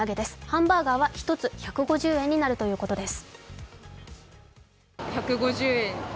ハンバーガーは１つ１５０円になるということです。